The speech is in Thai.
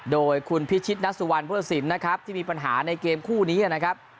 โดยคุณพิชิตนัสสุวรรณพุทธศิลป์นะครับที่มีปัญหาในเกมคู่นี้นะครับ